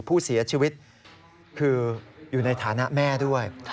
ผู้เสียชีวิตคืออยู่ในฐานะแม่ด้วย